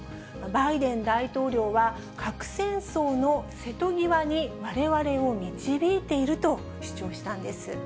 バイデン大統領は核戦争の瀬戸際に、われわれを導いていると主張したんです。